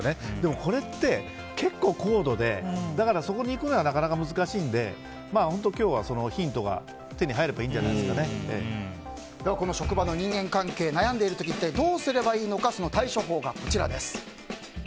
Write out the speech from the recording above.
これって結構高度でそこにいくのはなかなか難しいので今日はそのヒントが手に入ればこの職場の人間関係に悩んでいる時一体どうすればいいのか対処法がこちらです。